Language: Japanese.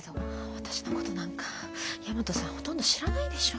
私のことなんか大和さんほとんど知らないでしょ。